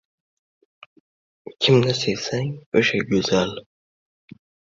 • Kimni sevsang — o‘sha go‘zal.